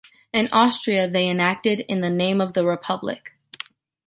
In Austria they are enacted "In the name of the Republic."